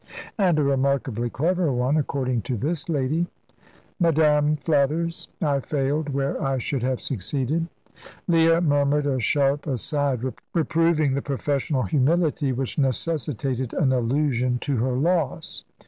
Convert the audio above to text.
"And a remarkably clever one, according to this lady." "Madame flatters. I failed, where I should have succeeded." Leah murmured a sharp aside, reproving the professional humility which necessitated an allusion to her loss.